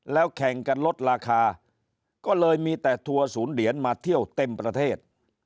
แล้วแข่งกันลดราคาก็เลยมีแต่ทัวร์ศูนย์เหรียญมาเที่ยวเต็มประเทศ